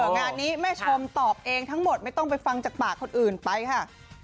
งานนี้แม่ชมตอบเองทั้งหมดไม่ต้องไปฟังจากปากคนอื่นไปค่ะ